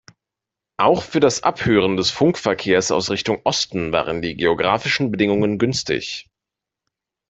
Auch für das Abhören des Funkverkehrs aus Richtung Osten waren die geographischen Bedingungen günstig.